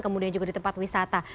kemudian juga di tempat wisata